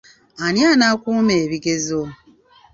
Ani anaakuuma ebigezo?